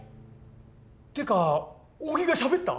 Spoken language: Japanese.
っていうか扇がしゃべった？